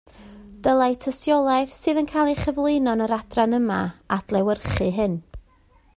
Dylai tystiolaeth sydd yn cael ei chyflwyno yn yr adran yma adlewyrchu hyn